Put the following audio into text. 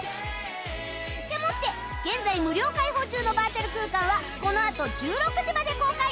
でもって現在無料開放中のバーチャル空間はこのあと１６時まで公開